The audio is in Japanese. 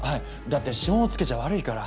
だって指紋をつけちゃ悪いから。